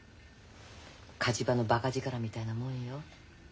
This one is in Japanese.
火事場のバカ力みたいなもんよ。